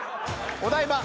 お台場